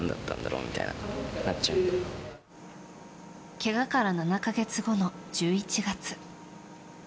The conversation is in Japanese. けがから７か月後の１１月。